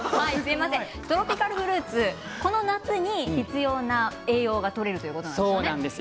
トロピカルフルーツはこの夏に必要な栄養がとれるということなんですね。